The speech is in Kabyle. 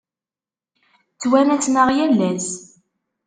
Ttwanasen-aɣ yal ass.